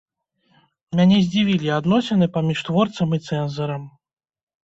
Мяне здзівілі адносіны паміж творцам і цэнзарам.